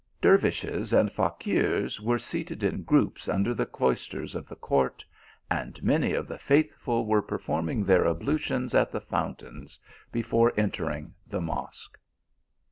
Dervises and Faquirs were seated in groups under the cloisters of the court, and many of the faithful were performing their ablutions at the fountains, before entering the Mosque.